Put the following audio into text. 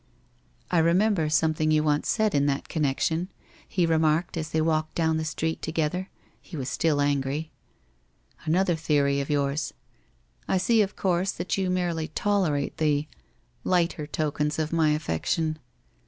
'I remember something you once said in that connec tion,' he remarked as they walked down the street together — he was still angry. ' Another theory of yours. I see WHITE ROSE OF WEARY LEAF 297 of course, that you merely tolerate the — lighter tokens of my affection.